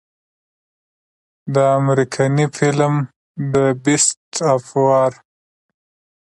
د امريکني فلم The Beast of War